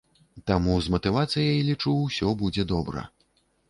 Таму з матывацыяй, лічу, усё будзе добра.